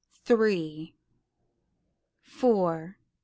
Three! Four!